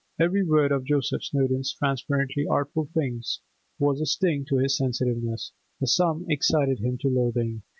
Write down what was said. Every word of Joseph Snowdon's transparently artful hints was a sting to his sensitiveness; the sum excited him to loathing.